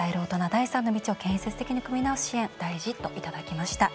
第三の道を建設的に組み直す支援、大事」と、いただきました。